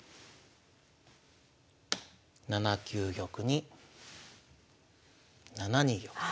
７九玉に７二玉と。